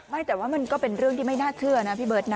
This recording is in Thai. ไม่แต่ว่ามันก็เป็นเรื่องที่ไม่น่าเชื่อนะพี่เบิร์ตนะ